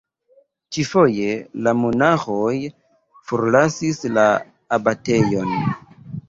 Ĉi-foje, la monaĥoj forlasis la abatejon.